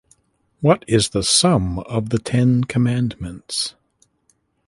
What is the sum of the ten commandments?